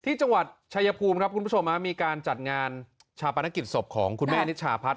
ที่จังหวัดชายภูมิครับคุณผู้ชมมีการจัดงานชาปนกิจศพของคุณแม่นิชาพัฒน